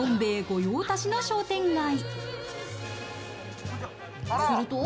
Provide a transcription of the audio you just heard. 御用達の商店街。